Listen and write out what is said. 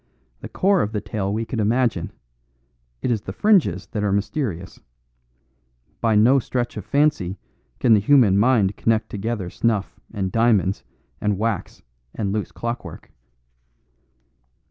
The core of the tale we could imagine; it is the fringes that are mysterious. By no stretch of fancy can the human mind connect together snuff and diamonds and wax and loose clockwork."